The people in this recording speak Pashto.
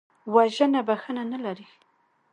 وژنه بښنه نه لري